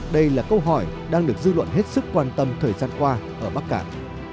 đây là câu hỏi đang được dư luận hết sức quan tâm thời gian qua ở bắc cạn